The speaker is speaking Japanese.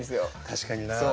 確かにな。